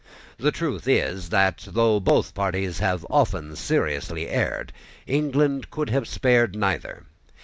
The truth is that, though both parties have often seriously erred, England could have spared neither.